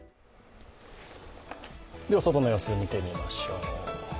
では外の様子を見てみましょう。